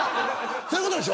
そういうことでしょ。